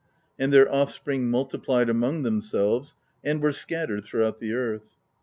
And their offspring multiplied among them selves and were scattered throughout the earth.